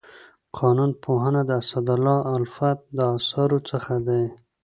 قانون پوهنه د اسدالله الفت د اثارو څخه دی.